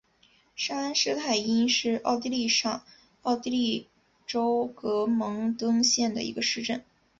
沙恩施泰因是奥地利上奥地利州格蒙登县的一个市镇。